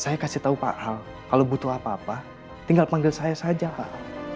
saya kasih tahu pak al kalau butuh apa apa tinggal panggil saya saja pak